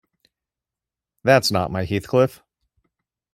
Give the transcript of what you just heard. That is not my Heathcliff.